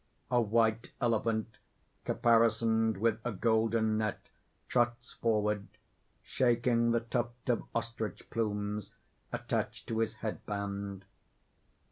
_ _A white elephant, caparisoned with a golden net, trots forward, shaking the tuft of ostrich plumes attached to his head band.